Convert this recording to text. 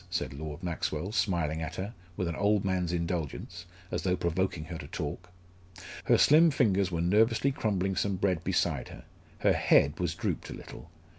said Lord Maxwell, smiling at her, with an old man's indulgence, as though provoking her to talk. Her slim fingers were nervously crumbling some bread beside her; her head was drooped a little.